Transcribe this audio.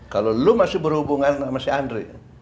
kalo lu masih berhubungan sama si andri